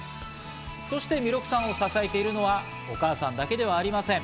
そして弥勒さんを支えているのはお母さんだけではありません。